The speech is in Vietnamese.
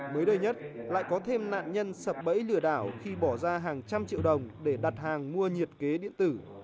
mới đây nhất lại có thêm nạn nhân sập bẫy lừa đảo khi bỏ ra hàng trăm triệu đồng để đặt hàng mua nhiệt kế điện tử